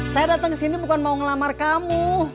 saya datang kesini bukan mau ngelamar kamu